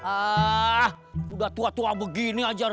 ah udah tua tua begini aja